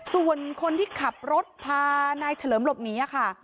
ส่วนคนที่ขับรถพานายเฉลิมหลบหนีค่ะ